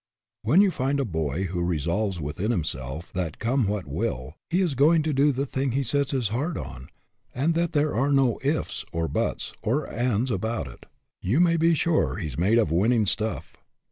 When you find a boy who resolves within himself that, come what will, he is going to do the thing he sets his heart on, and that there are no " ifs " or " buts " or " ands " about it, you may be sure he is made of win ning stuff.